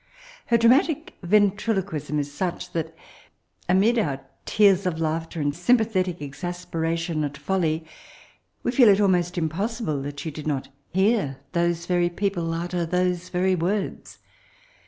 Her dramatic ventriloquism is sneh that, amid our tears of laugk ter and sympathetic exasperation at foIly» we feel it almost impossible that she did not hear those very peo> pie utter those very words.